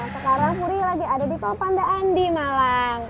nah sekarang puri lagi ada di toh pandaan di malang